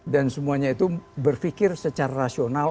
dan semuanya itu berpikir secara rasional